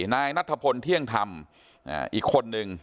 นายนัทพลเที่ยงธรรมอีกคนนึง